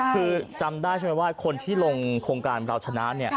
คือจำได้ใช่ไหมว่าคนที่ลงโครงการเราชนะเนี่ย